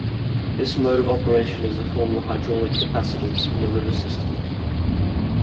This mode of operation is a form of hydraulic capacitance in the river system.